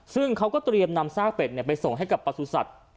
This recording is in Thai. ซึ่งเขาก็เตรียมนำซากเป็ดไปส่งให้กับประสุทธิ์